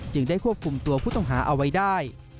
ได้ควบคุมตัวผู้ต้องหาเอาไว้ได้